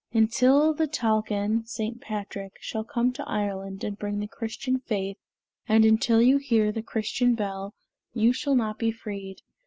"Until the Tailkenn (St. Patrick) shall come to Ireland and bring the Christian faith, and until you hear the Christian bell, you shall not be freed.